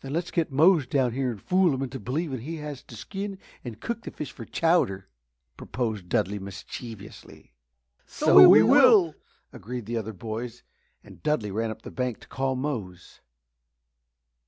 "Then let's get Mose down here and fool him into believing he has to skin and cook the fish for chowder," proposed Dudley, mischievously. "So we will!" agreed the other boys, and Dudley ran up the bank to call Mose.